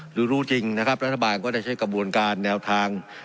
หรือรู้จริงนะครับรัฐบาลก็ได้ใช้กระบวนการแนวทาง